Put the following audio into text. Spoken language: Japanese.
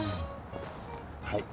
はい。